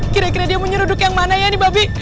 kira kira dia menyeruduk yang mana ya ini babi